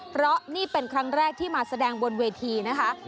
เพราะนี่เป็นครั้งแรกที่มาแสดงบนเวทีนะคะ